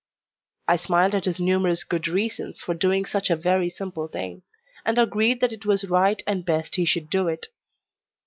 I smiled at his numerous good reasons for doing such a very simple thing; and agreed that it was right and best he should do it.